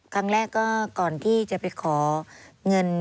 ครั้งแรกก็ก่อนที่จะไปขอเงิน